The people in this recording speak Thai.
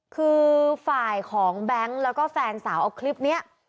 คือฝ่ายของแบงค์แล้วก็แฟนสาวเอาคลิปนี้